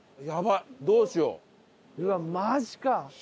うわっマジか。